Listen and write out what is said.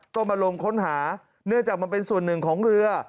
ต้องมาลงค้นหาเนื่องจากมันเป็นส่วนหนึ่งของเรือ